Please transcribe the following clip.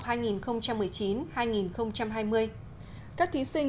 các thí sinh đã đưa con em mình đi tham quan